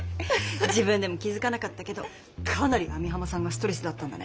自分でも気付かなかったけどかなり網浜さんがストレスだったんだね。